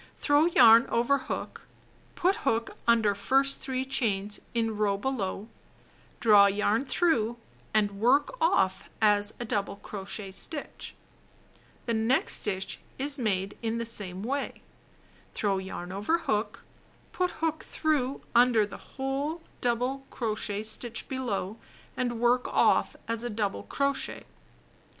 Throw yarn over hook. Put hook under first 3 chains, in row below. Draw 5>jp)ort hat, Mary Marie's Sports Sweater 207 yarn through, and work off as a double crochet stitch. The next stitch is made in the same way: throw yarn over hook; put hook through under the whole double crochet stitch below and work off as a double crochet.